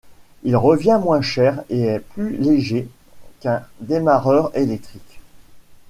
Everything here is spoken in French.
Il revient moins cher et est plus léger qu'un démarreur électrique.